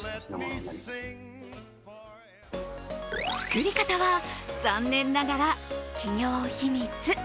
作り方は残念ながら企業秘密。